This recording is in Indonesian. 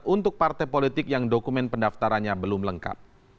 untuk partai politik yang dokumen pendaftarannya belum lengkap